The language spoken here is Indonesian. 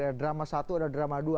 ada drama satu ada drama dua